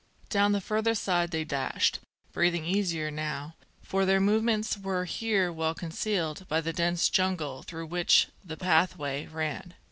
Down the further side they dashed, breathing easier now, for their movements were here well concealed by the dense jungle through which the pathway ran.